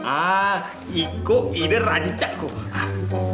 ah itu udah rancang kok